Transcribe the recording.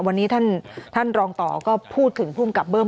วันนี้ท่านรองต่อก็พูดถึงภูมิกับเบิ้ม